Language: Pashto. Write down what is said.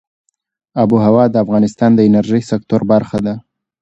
آب وهوا د افغانستان د انرژۍ سکتور برخه ده.